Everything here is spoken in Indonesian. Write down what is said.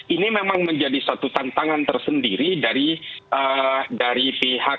ini memang menjadi satu tantangan tersendiri dari